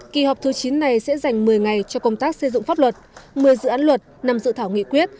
kỳ họp thứ chín này sẽ dành một mươi ngày cho công tác xây dựng pháp luật một mươi dự án luật năm dự thảo nghị quyết